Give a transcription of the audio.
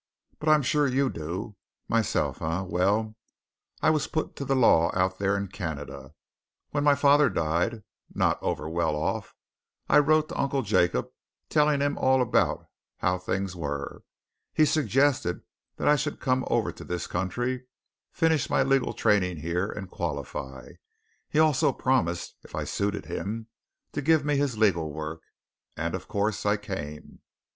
"But I'm sure you do. Myself, eh? Well, I was put to the Law out there in Canada. When my father died not over well off I wrote to Uncle Jacob, telling him all about how things were. He suggested that I should come over to this country, finish my legal training here, and qualify. He also promised if I suited him to give me his legal work. And, of course, I came."